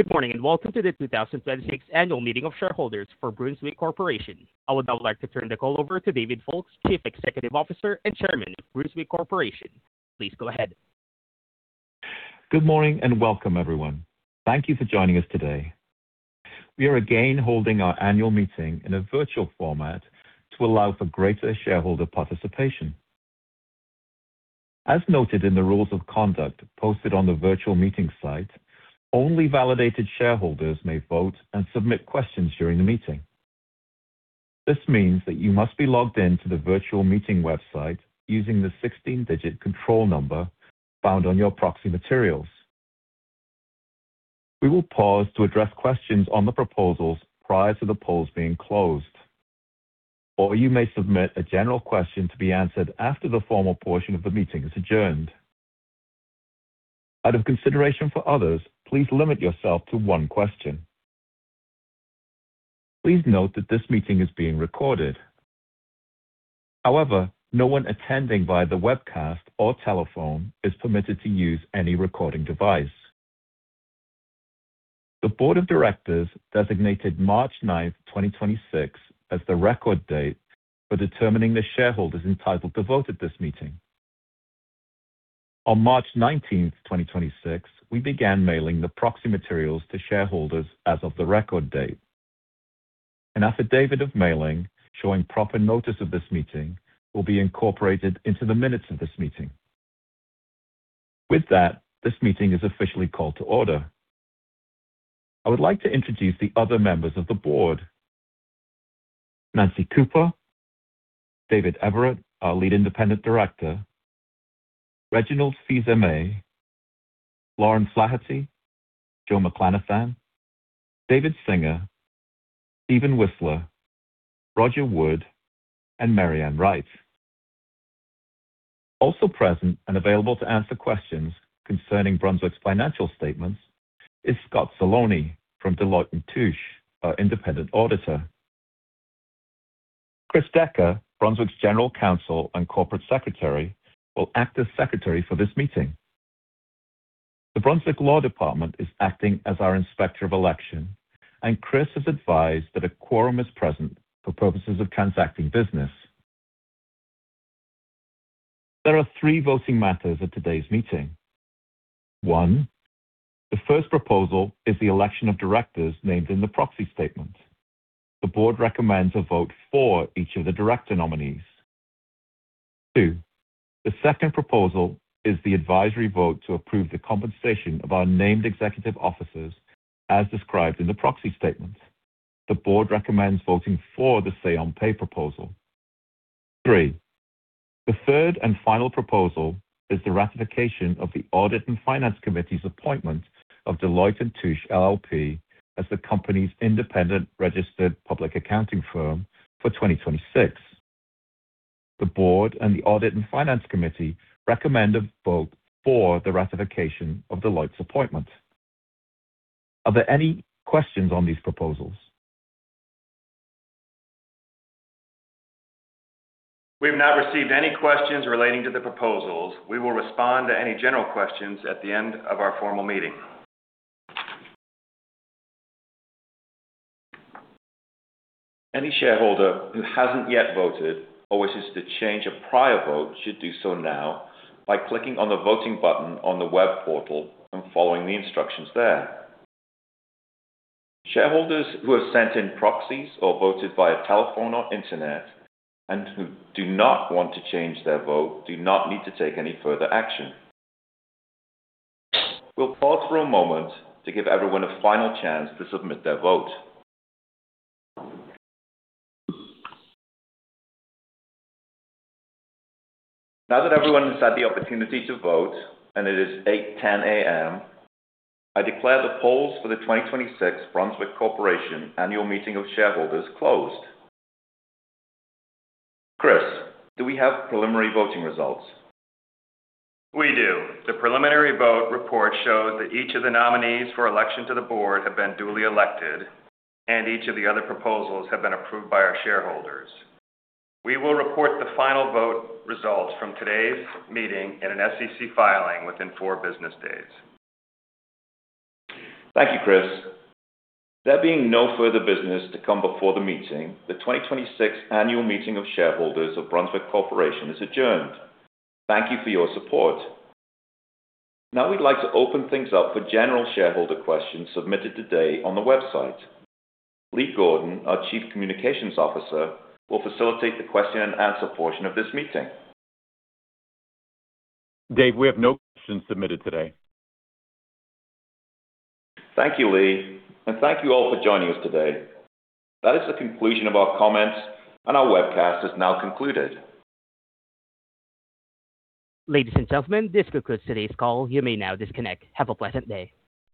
Good morning. Welcome to the 2026 annual meeting of shareholders for Brunswick Corporation. I would now like to turn the call over to David Foulkes, Chief Executive Officer and Chairman of Brunswick Corporation. Please go ahead. Good morning, and welcome, everyone. Thank you for joining us today. We are again holding our annual meeting in a virtual format to allow for greater shareholder participation. As noted in the rules of conduct posted on the virtual meeting site, only validated shareholders may vote and submit questions during the meeting. This means that you must be logged in to the virtual meeting website using the 16-digit control number found on your proxy materials. We will pause to address questions on the proposals prior to the polls being closed. You may submit a general question to be answered after the formal portion of the meeting is adjourned. Out of consideration for others, please limit yourself to one question. Please note that this meeting is being recorded. However, no one attending via the webcast or telephone is permitted to use any recording device. The board of directors designated March 9th, 2026 as the record date for determining the shareholders entitled to vote at this meeting. On March 19th, 2026, we began mailing the proxy materials to shareholders as of the record date. An affidavit of mailing showing proper notice of this meeting will be incorporated into the minutes of this meeting. With that, this meeting is officially called to order. I would like to introduce the other members of the board. Nancy Cooper, David Everitt, our Lead Independent Director, Reginald Fils-Aimé, Lauren Flaherty, Joseph McClanathan, David Singer, Steven Whisler, Roger Wood, and MaryAnn Wright. Also present and available to answer questions concerning Brunswick's financial statements is Scott Szalony from Deloitte & Touche, our independent auditor. Chris Dekker, Brunswick's General Counsel and Corporate Secretary, will act as secretary for this meeting. The Brunswick Law Department is acting as our inspector of election. Chris has advised that a quorum is present for purposes of transacting business. There are three voting matters at today's meeting. One, the first proposal is the election of directors named in the proxy statement. The board recommends a vote for each of the director nominees. Two, the second proposal is the advisory vote to approve the compensation of our named executive officers as described in the proxy statement. The board recommends voting for the say-on-pay proposal. Three, the third and final proposal is the ratification of the Audit and Finance Committee's appointment of Deloitte & Touche LLP as the company's independent registered public accounting firm for 2026. The board and the Audit and Finance Committee recommend a vote for the ratification of Deloitte's appointment. Are there any questions on these proposals? We've not received any questions relating to the proposals. We will respond to any general questions at the end of our formal meeting. Any shareholder who hasn't yet voted or wishes to change a prior vote should do so now by clicking on the voting button on the web portal and following the instructions there. Shareholders who have sent in proxies or voted via telephone or Internet and who do not want to change their vote do not need to take any further action. We'll pause for a moment to give everyone a final chance to submit their vote. Now that everyone has had the opportunity to vote, and it is 8:10 A.M., I declare the polls for the 2026 Brunswick Corporation annual meeting of shareholders closed. Chris, do we have preliminary voting results? We do. The preliminary vote report shows that each of the nominees for election to the board have been duly elected, and each of the other proposals have been approved by our shareholders. We will report the final vote results from today's meeting in an SEC filing within four business days. Thank you, Chris. There being no further business to come before the meeting, the 2026 annual meeting of shareholders of Brunswick Corporation is adjourned. Thank you for your support. We'd like to open things up for general shareholder questions submitted today on the website. Lee Gordon, our Chief Communications Officer, will facilitate the question and answer portion of this meeting. Dave, we have no questions submitted today. Thank you, Lee. Thank you all for joining us today. That is the conclusion of our comments, and our webcast is now concluded. Ladies and gentlemen, this concludes today's call. You may now disconnect. Have a pleasant day.